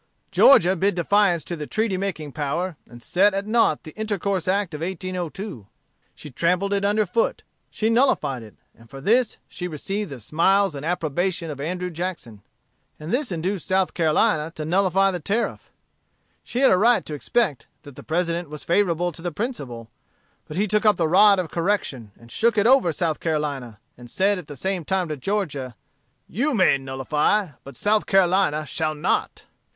Georgia bid defiance to the treaty making power, and set at nought the Intercourse Act of 1802; she trampled it under foot; she nullified it: and for this, she received the smiles and approbation of Andrew Jackson. And this induced South Carolina to nullify the Tariff. She had a right to expect that the President was favorable to the principle: but he took up the rod of correction, and shook it over South Carolina, and said at the same time to Georgia, 'You may nullify, but South Carolina shall not.'